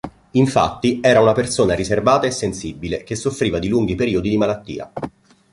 Infatti, era una persona riservata e sensibile, che soffriva di lunghi periodi di malattia.